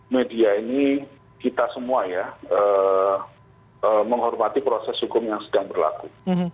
media ini kita semua ya menghormati proses hukum yang sedang berlaku